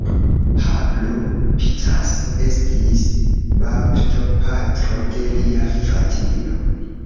Pablo Picasso estis baptopatro de lia fratino.